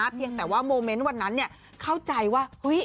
เพียงแต่ว่าโมเมนต์วันนั้นเข้าใจว่าเฮ้ย